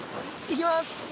行きます。